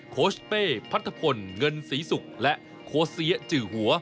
โคชเป้พัทธพลเงินศรีศุกร์และโค้เซียจือหัว